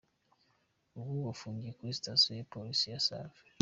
Ubu bafungiye kuri Sitasiyo ya Polisi ya Save.